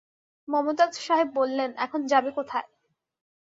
মমতাজ সাহেব বললেন, এখন যাবে কোথায়?